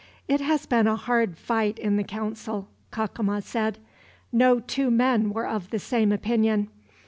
"It has been a hard fight in the council," Cacama said. "No two men were of the same opinion.